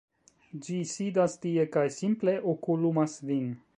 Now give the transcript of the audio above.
ĝi sidas tie kaj simple okulumas vin.